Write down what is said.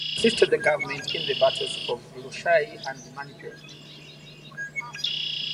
He assisted the government in the battles of Lushai and Manipur.